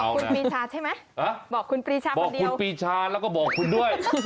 อันนี้บอกคุณปีชาใช่ไหมบอกคุณปีชาคนเดียวบอกคุณปีชาแล้วก็บอกคุณด้วย